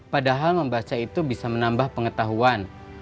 padahal membaca itu bisa menambah pengetahuan